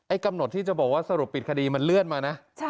กำหนดที่จะบอกว่าสรุปปิดคดีมันเลื่อนมานะ